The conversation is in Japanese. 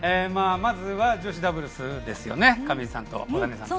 まず、女子ダブルスですね上地さんと大谷さん。